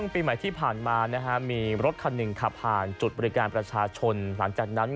ปีใหม่ที่ผ่านมามีรถคันหนึ่งขับผ่านจุดบริการประชาชนหลังจากนั้น